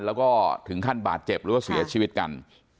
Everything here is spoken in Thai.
แล้วก็ถึงขั้นบาดเจ็บหรือว่าเสียชีวิตกัน